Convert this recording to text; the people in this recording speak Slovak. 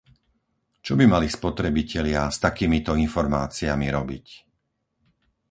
Čo by mali spotrebitelia s takýmito informáciami robiť?